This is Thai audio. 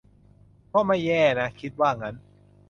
ก็ไม่แย่นะ คิดว่างั้น